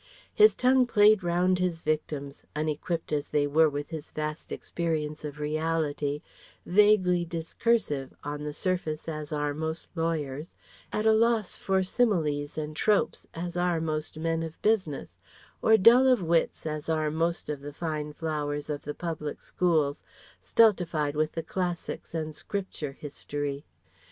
His tongue played round his victims, unequipped as they were with his vast experience of reality, vaguely discursive, on the surface as are most lawyers, at a loss for similes and tropes as are most men of business, or dull of wits as are most of the fine flowers of the public schools, stultified with the classics and scripture history.